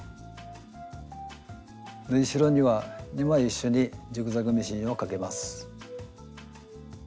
縫いしろには２枚一緒にジグザグミシンをかけます。